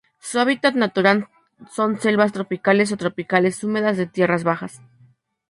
Su hábitat natural son selvas subtropicales o tropicales húmedas de tierras bajas.